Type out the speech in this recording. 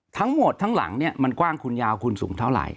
ทั้งหมดทั้งหลังเนี่ยมันกว้างคุณยาวคุณสูงเท่าไหร่